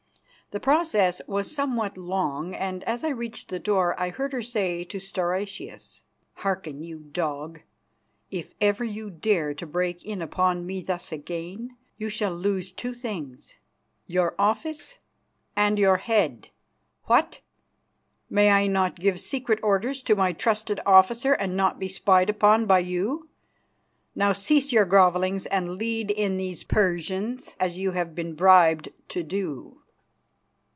The process was somewhat long, and as I reached the door I heard her say to Stauracius, "Hearken, you dog. If ever you dare to break in upon me thus again, you shall lose two things your office and your head. What! May I not give secret orders to my trusted officer and not be spied upon by you? Now, cease your grovellings and lead in these Persians, as you have been bribed to do."